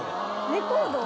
レコード？